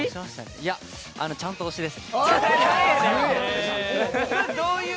いや、ちゃんと押しです。